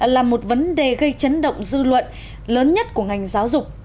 là một vấn đề gây chấn động dư luận lớn nhất của ngành giáo dục